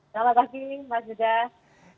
selamat pagi pak sudha